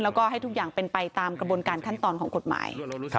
แล้วก็ให้ทุกอย่างเป็นไปตามกระบวนการขั้นตอนของกฎหมาย